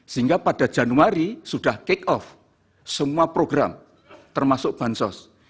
sehingga pada januari sudah kick off semua program termasuk bansos